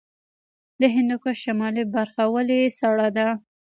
د هندوکش شمالي برخه ولې سړه ده؟